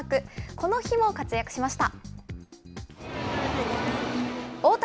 この日も活躍しました。